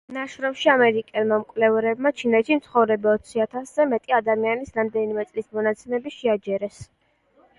ნაშრომში ამერიკელმა მკვლევარებმა ჩინეთში მცხოვრები ოციათასზე მეტი ადამიანის რამდენიმე წლის მონაცემები შეაჯერეს.